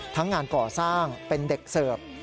งานก่อสร้างเป็นเด็กเสิร์ฟ